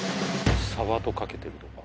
サバとかけてるとか？